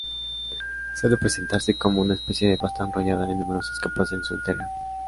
Suele presentarse como una especie de pasta enrollada en numerosas capas en su interior.